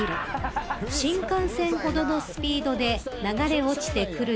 ［新幹線ほどのスピードで流れ落ちてくるので］